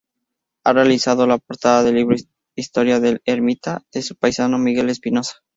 Ha realizado la portada del libro "Historia del eremita", de su paisano Miguel Espinosa.